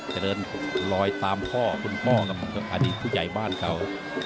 เจริญลอยตามพ่อคุณพ่อกับอดีตผู้ใหญ่บ้านเขา